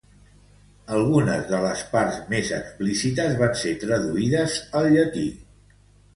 Algunes de les parts més explícites van ser traduïdes al llatí.